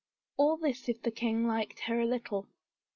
All this if the king liked her a little.